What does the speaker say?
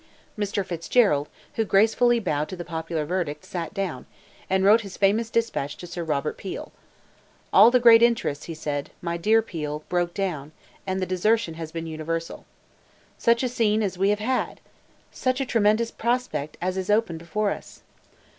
Mr. Fitzgerald, who gracefully bowed to the popular verdict, sat down, and wrote his famous despatch to Sir Robert Peel: "All the great interests," he said, "my dear Peel, broke down, and the desertion has been universal. Such a scene as we have had! Such a tremendous prospect as is open before us!"